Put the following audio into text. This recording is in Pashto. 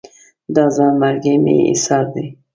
دا ځان مرګي مې ایسار دي